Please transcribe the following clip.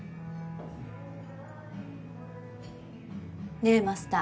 ねえマスター。